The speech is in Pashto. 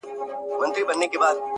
د خوشحال خان د مرغلرو قدر څه پیژني!.